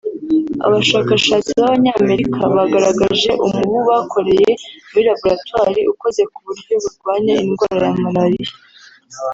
Abashakashatsi b’Abanyamerika bagaragaje umubu bakoreye muri Laboratwari ukoze ku buryo burwanya indwara ya Malariya